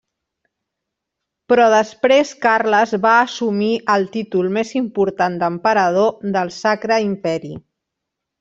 Però després Carles va assumir el títol més important d'Emperador del Sacre Imperi.